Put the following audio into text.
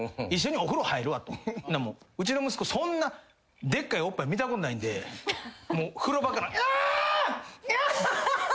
うちの息子そんなでっかいおっぱい見たことないんで風呂場から「ああ！いやぁ！」